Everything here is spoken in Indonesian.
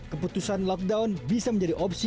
keputusan lockdown bisa menjadi opsi